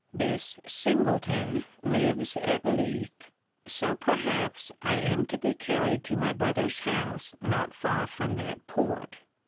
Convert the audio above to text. This Singleton lives at Leith; so, perhaps, I am to be carried to my brother's house not far from that port.